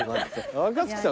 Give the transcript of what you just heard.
若槻さん